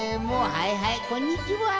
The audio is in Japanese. はいはいこんにちは。